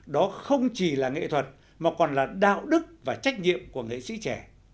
đó không chỉ là nghệ thuật mà còn là đạo đức và trách nhiệm của nghệ sĩ trẻ